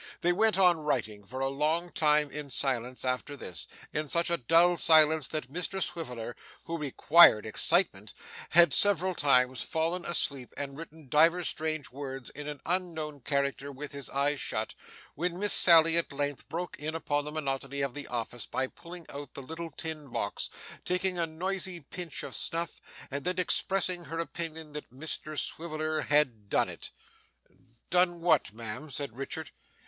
They went on writing for a long time in silence after this in such a dull silence that Mr Swiveller (who required excitement) had several times fallen asleep, and written divers strange words in an unknown character with his eyes shut, when Miss Sally at length broke in upon the monotony of the office by pulling out the little tin box, taking a noisy pinch of snuff, and then expressing her opinion that Mr Richard Swiveller had 'done it.' 'Done what, ma'am?' said Richard.